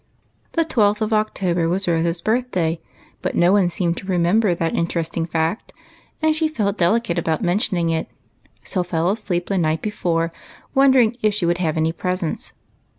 THE twelfth of October was Rose's birthday, but no one seemed to remember tliat interesting fact, and she felt delicate about mentioning it, so fell asleep the night before w^ondering if she would have any presents.